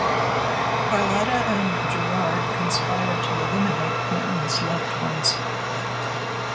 Carlotta and Gerard conspire to eliminate Quentin's loved ones.